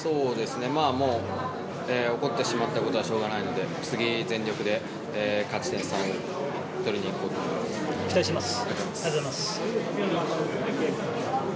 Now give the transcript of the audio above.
もう起こってしまったことはしょうがないので次、全力で勝ち点３を取りにいこうと思います。